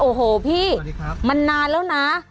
โอ้โหพี่มันนานแล้วนะ